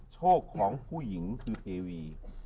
โชคของผู้หญิงคือเทวี